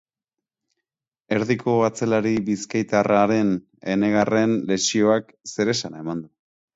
Erdiko atzelari bizkaitarraren enegarren lesioak zeresana eman du.